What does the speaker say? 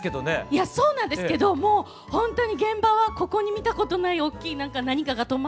いやそうなんですけどもうほんとに現場はここに見たことない大きい何かが止まったりとか。